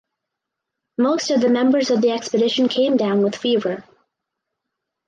Most of the members of the expedition came down with fever.